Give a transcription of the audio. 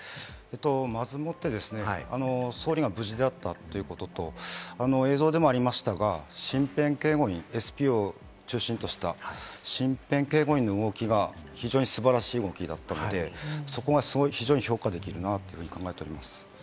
まずもってですね、総理が無事であったということと、映像でもありましたが、身辺警護にＳＰを中心とした身辺警護員の動きが非常に素晴らしい動きだったので、そこは非常に評価できるなと考えております。